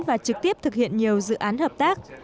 và trực tiếp thực hiện nhiều dự án hợp tác